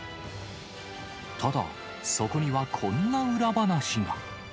ただ、そこにはこんな裏話が。